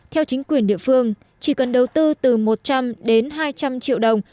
theo chính quyền địa phương chỉ cần đầu tư từ một trăm linh đến hai trăm linh triệu đồng